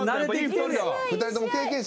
２人とも経験者だ。